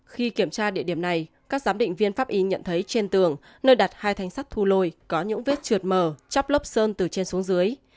khi kiểm tra địa điểm này các giám định viên pháp y nhận thấy trên tường nơi đặt hai thanh sắt thu lôi có những vết trượt mờ chấp lớp sơn từ trên xuống dưới